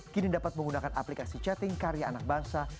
kini dapat menggunakan aplikasi chatting karya anak bangsa